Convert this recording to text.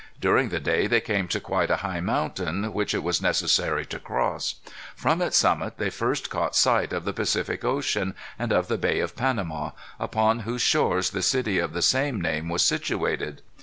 During the day they came to quite a high mountain, which it was necessary to cross. From its summit they first caught sight of the Pacific Ocean, and of the Bay of Panama, upon whose shores the city of the same name was situated.